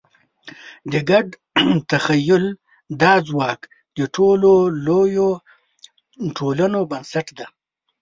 د ګډ تخیل دا ځواک د ټولو لویو ټولنو بنسټ دی.